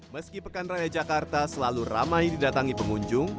meski pekan raya jakarta selalu ramai didatangi pengunjung